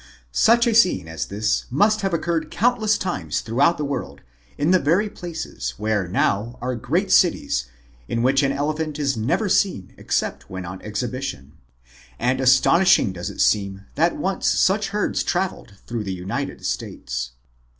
Such a scene as this must have occurred count less times throughout the world in the very places 120 MIGHTY ANIMALS where now are great cities in which an elephant is never seen except when on exhibition. And as tonishing does it seem that once such herds traveled through the United States.